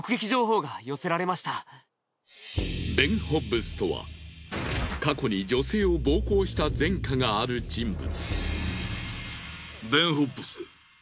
ホッブスとは過去に女性を暴行した前科がある人物。